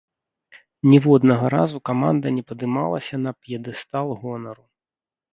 Ніводнага разу каманда не падымалася на п'едэстал гонару.